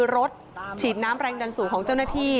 รถฉีดน้ำแรงดันสูงของเจ้าหน้าที่